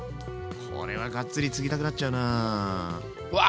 これはがっつりつぎたくなっちゃうな。わ！